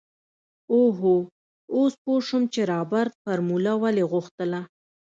اوهوهو اوس پو شوم چې رابرټ فارموله ولې غوښتله.